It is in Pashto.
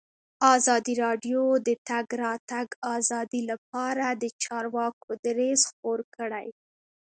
ازادي راډیو د د تګ راتګ ازادي لپاره د چارواکو دریځ خپور کړی.